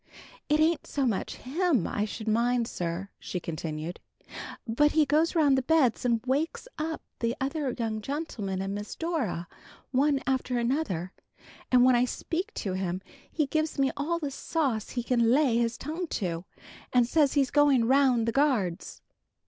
"It ain't so much him I should mind, sir," she continued, "but he goes round the beds and wakes up the other young gentlemen and Miss Dora, one after another, and when I speak to him, he gives me all the sauce he can lay his tongue to, and says he's going round the guards.